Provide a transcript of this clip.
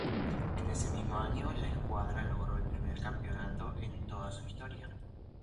En ese mismo año la escuadra logró el primer campeonato de toda su historia.